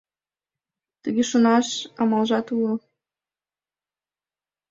— Тыге шонаш амалжат уло.